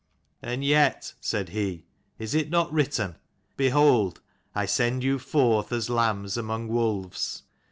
"And yet," said he, "is it not written, Behold, I send you forth as lambs among wolves